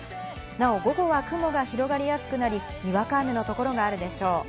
なお午後は雲が広がりやすくなりにわか雨のところがあるでしょう。